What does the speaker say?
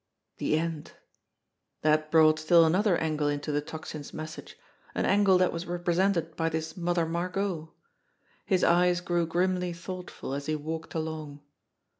The end ! That brought still another angle into the Toc sin's message, an angle that was represented by this Mother Margot. His eyes grew grimly thoughtful as he walked along.